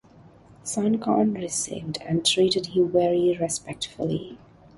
Sun Quan received and treated him very respectfully.